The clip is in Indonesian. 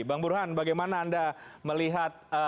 bang burhan bagaimana anda melihat